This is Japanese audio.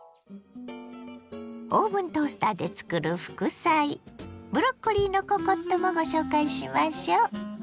オーブントースターでつくる副菜ブロッコリーのココットもご紹介しましょ。